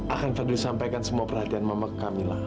akan fadil sampaikan semua perhatian mama ke kamila